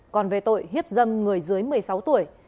còn về tội hiếp dâm người dưới một mươi sáu tuổi